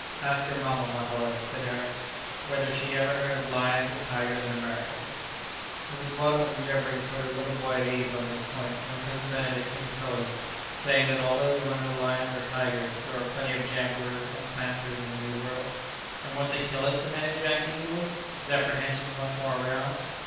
"Ask your mamma, my boy," said Harris, "whether she ever heard of lions and tigers in America?" Mrs. Weldon was endeavouring to put her little boy at his ease on this point, when Cousin Benedict interposed, saying that although there were no lions or tigers, there were plenty of jaguars and panthers in the New World. "And won't they kill us?" demanded Jack eagerly, his apprehensions once more aroused.